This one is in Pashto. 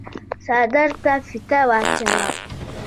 څادر ته فيته واچوه۔